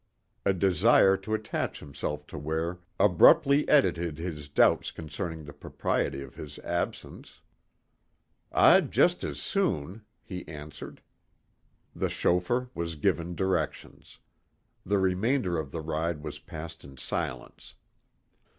A desire to attach himself to Ware abruptly edited his doubts concerning the propriety of his absence. "I'd just as soon," he answered. The chauffeur was given directions. The remainder of the ride was passed in silence.